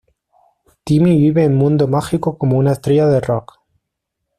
Timmy vive en mundo mágico como una estrella de rock.